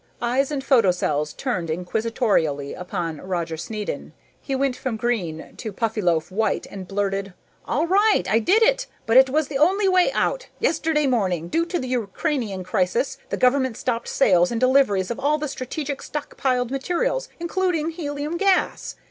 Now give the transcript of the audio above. Eyes and photocells turned inquisitorially upon Roger Snedden. He went from green to Puffyloaf white and blurted: "All right, I did it, but it was the only way out! Yesterday morning, due to the Ukrainian crisis, the government stopped sales and deliveries of all strategic stockpiled materials, including helium gas.